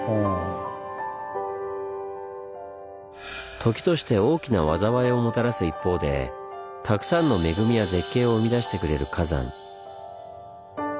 時として大きな災いをもたらす一方でたくさんの恵みや絶景を生み出してくれる火山。